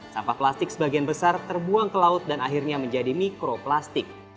sampah plastik sebagian besar terbuang ke laut dan akhirnya menjadi mikroplastik